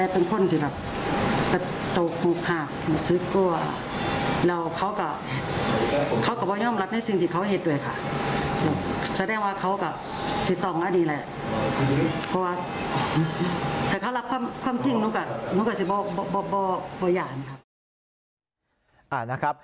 เพราะว่าถ้าเข้ารับความจริงนู้นกับสิ่งบ่อย่างครับ